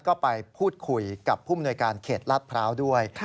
ก็ไปพูดคุยกับผู้มนวยการเขตลาดพร้าวด้วย